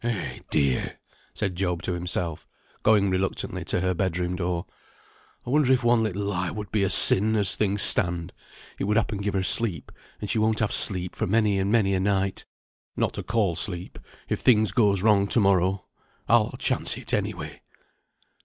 "Eh, dear!" said Job to himself, going reluctantly to her bed room door. "I wonder if one little lie would be a sin as things stand? It would happen give her sleep, and she won't have sleep for many and many a night (not to call sleep), if things goes wrong to morrow. I'll chance it, any way."